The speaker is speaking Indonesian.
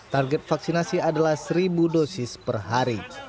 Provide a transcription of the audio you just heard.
target vaksinasi adalah seribu dosis per hari